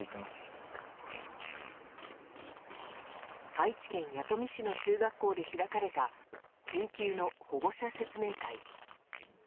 愛知県弥富市の中学校で開かれた緊急の保護者説明会。